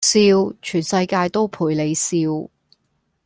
笑，全世界都陪你笑